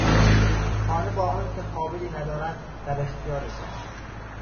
خانه با آنکه قابلی ندارد در اختیار شماست.